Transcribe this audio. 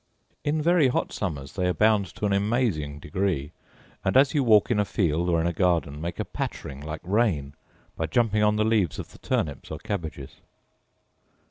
In very hot summers they abound to an amazing degree, and as you walk in a field or in a garden, make a pattering like rain, by jumping on the leaves of the turnips or cabbages.